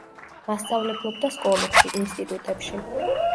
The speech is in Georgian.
მასწავლებლობდა სკოლებში, ინსტიტუტებში.